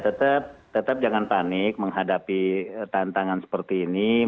ya tetap tetap jangan panik menghadapi tantangan seperti ini